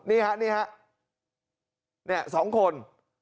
นี่ทั้ง๒คน